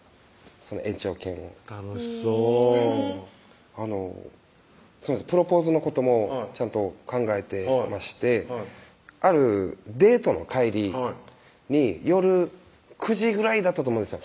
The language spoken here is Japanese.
その延長券を楽しそうへぇあのプロポーズのこともちゃんと考えていましてあるデートの帰りに夜９時ぐらいだったと思うんですよ